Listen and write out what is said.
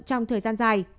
trong thời gian dài